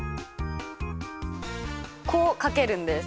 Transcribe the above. こう書けるんです。